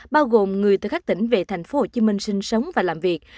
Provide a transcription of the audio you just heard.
bao gồm người từ các tỉnh về tp hcm sinh sống và làm việc